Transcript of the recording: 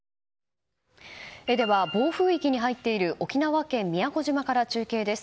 では、暴風域に入っている沖縄県宮古島から中継です。